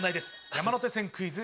山手線クイズ